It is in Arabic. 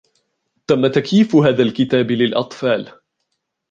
تم تكييف هذا الكتاب للأطفال.